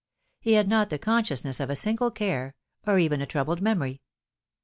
He had not the consciousness of a single care, or even a troubled msmory.